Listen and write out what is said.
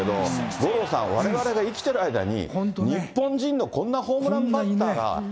五郎さん、われわれが生きてる間に、日本人のこんなホームランバッターが。